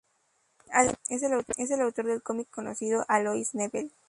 Además, es el autor del cómic conocido "Alois Nebel".